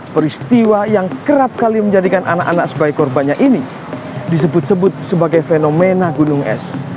peristiwa yang kerap kali menjadikan anak anak sebagai korbannya ini disebut sebut sebagai fenomena gunung es